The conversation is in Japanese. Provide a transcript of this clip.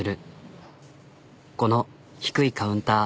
この低いカウンター。